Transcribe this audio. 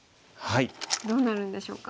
どうなるんでしょうか。